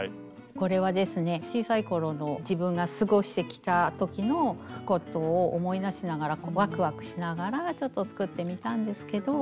これはですね小さいころの自分が過ごしてきた時のことを思い出しながらワクワクしながらちょっと作ってみたんですけど。